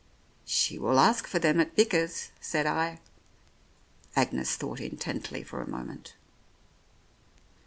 "She will ask for them at Bickers," said I. Agnes thought intently for a moment.